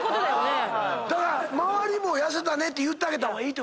だから周りも痩せたねって言ってあげた方がいい？